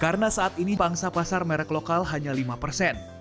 karena saat ini bangsa pasar merek lokal hanya lima persen